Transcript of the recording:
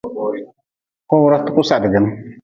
Kowra tuku sadgin.